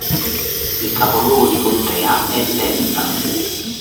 Il capoluogo di contea è Delta